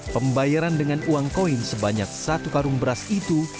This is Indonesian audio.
pembayaran dengan uang koin sebanyak satu karung beras itu